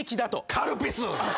カルピス！